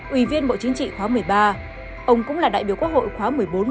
ủy viên bộ chính trị khóa một mươi ba ông cũng là đại biểu quốc hội khóa một mươi bốn một mươi năm